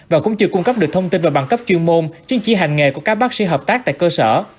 và cũng chưa cung cấp được thông tin và bằng cấp chuyên môn chứng chỉ hành nghề của các bác sĩ hợp tác tại cơ sở